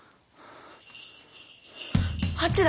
・あっちだ！